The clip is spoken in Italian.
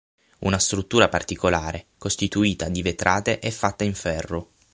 Una struttura particolare costituita di vetrate e fatta in ferro.